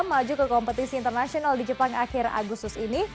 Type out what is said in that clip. maju ke kompetisi internasional di jepang akhir agustus ini